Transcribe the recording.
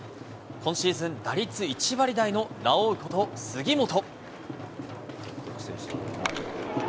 今シーズン、打率１割台のラオウこと、杉本。